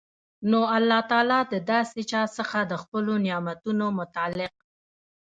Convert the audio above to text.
نو الله تعالی د داسي چا څخه د خپلو نعمتونو متعلق